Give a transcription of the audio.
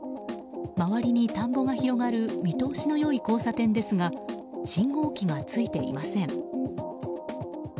周りに田んぼが広がる見通しの良い交差点ですが信号機はついていません。